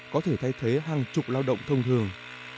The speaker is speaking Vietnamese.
có thể thay thế hàng chục lao động thông thường